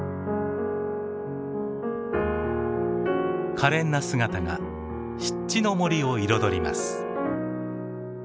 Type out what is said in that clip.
かれんな姿が湿地の森を彩ります。